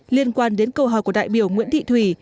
liên quan đến câu hỏi của đại biểu nguyễn thị thủy